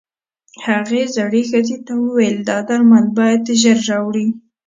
هغې زړې ښځې ته وويل دا درمل بايد ژر راوړې.